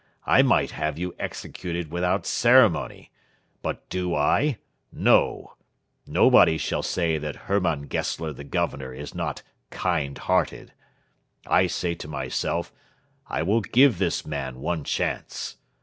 I might have you executed without ceremony. But do I? No. Nobody shall say that Hermann Gessler the Governor is not kind hearted. I say to myself, 'I will give this man one chance.'